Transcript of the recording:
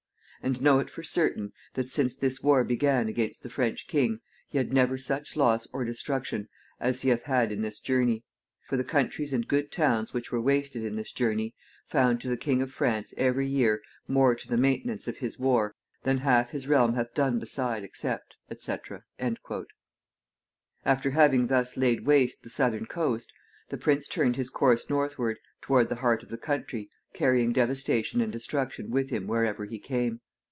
And know it for certeine that since this warre began against the French king, he had never such losse or destruction as he hath had in this journie; for the countries and good townes which were wasted in this journie found to the King of France everie yeare more to the maintainance of his warre than half his realme hath doon beside, except, &c."= [Illustration: MAP CAMPAIGN OF POICTIERS.] After having thus laid waste the southern coast, the prince turned his course northward, toward the heart of the country, carrying devastation and destruction with him wherever he came.